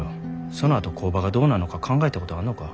そのあと工場がどうなんのか考えたことあんのか？